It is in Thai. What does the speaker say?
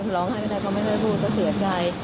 ร้องให้เธอไม่ได้พูดก็เสียใจ